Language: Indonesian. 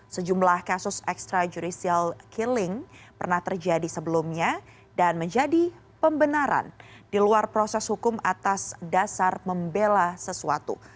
sejumlah kasus extrajudicial killing pernah terjadi sebelumnya dan menjadi pembenaran di luar proses hukum atas dasar membela sesuatu